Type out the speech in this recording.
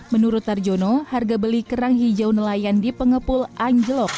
menurut tarjono harga beli kerang hijau nelayan di pengepul anjlok